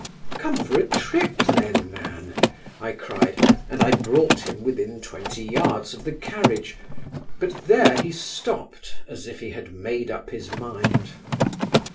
"Come for a trip, then, man," I cried, and I brought him within twenty yards of the carriage; but there he stopped as if he had made up his mind.